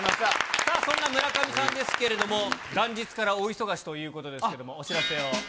さあ、そんな村上さんですけれども、元日から大忙しということですけれども、お知らせを。